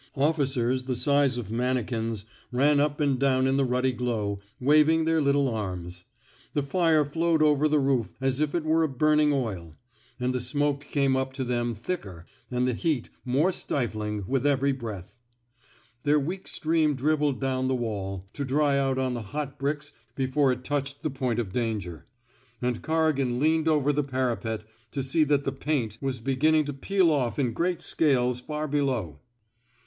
Officers the size of manikins ran up and down in the ruddy glow, waving their little arms. The fire flowed over the roof as if it were a burning oil; and the smoke came up to them thicker, and the heat more stifling, with every breath. Their weak stream dribbled down the wall, to dry out on the hot bricks before it touched the point of danger; and Corrigan leaned over the parapet to see that the paint was 198 TRAINING '^ SALLY'' WATEES beginning to peel off in great scales far be low.